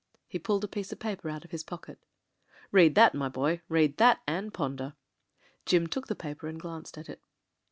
He pulled a piece of paper out of his pocket. "Read that, my boy — read that and pon der." Jim took the paper and glanced at it.